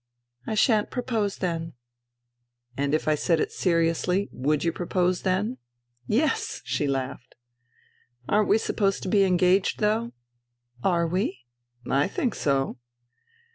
" I shan't propose then." " And if I said it seriously, would you propose then ?"" Yes," she laughed. " Aren't we supposed to be engaged, though ?"" Are we ?" "I think so."